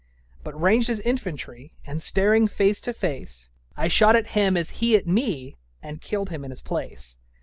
'But ranged as infantry, And staring face to face, I shot at him as he at me, And killed him in his place.